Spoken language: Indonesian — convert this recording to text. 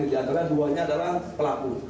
ini ada dua dua adalah pelaku